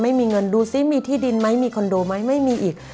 ไม่มีเงินดูซิมีที่ดินไหมมีคอนโดไหมไม่มีอีก